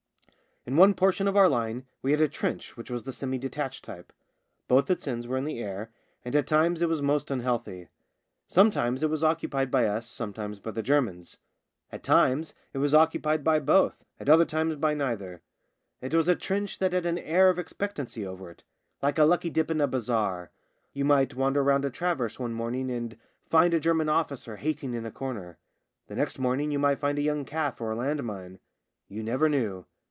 In one portion of our line we had a trench which was of the semi detached type. Both its ends were in the air, and at times it was most unhealthy. Sometimes it was occupied by us, sometimes by the Germans ; at times it was occupied by both, at other times by neither. It was a trench that had an air of expectancy over it— like a lucky dip in a bazaar. You might wander round a tra JAMES AND THE LAND MINE 73 verse one morning and find a German officer hating in a corner. The next morning you might find a young calf or a land mine. You never knew.